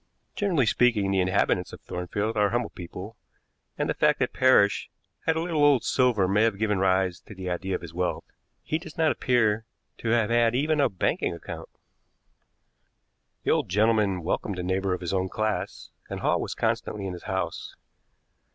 Generally speaking, the inhabitants of Thornfield are humble people, and the fact that Parrish had a little old silver may have given rise to the idea of his wealth. He does not appear to have had even a banking account. "The old gentleman welcomed a neighbor of his own class, and Hall was constantly in his house.